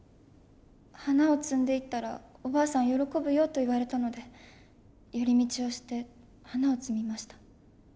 「花を摘んでいったらおばあさん喜ぶよ」と言われたので寄り道をして花を摘みました。